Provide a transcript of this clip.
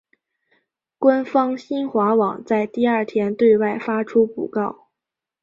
官方新华网在第二天对外发出讣告。